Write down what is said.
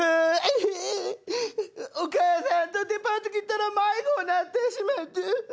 お母さんとデパート来たら迷子になってしまった！